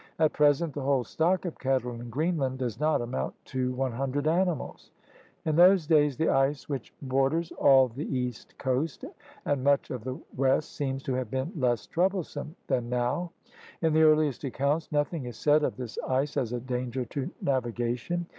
... At present the whole stock of cattle in Greenland does not amount to 100 animals."' In those days the ice which borders all the east coast and much of the west seems to have been less troublesome than now. In the earliest accounts nothing is said of this ice as a danger to navigation.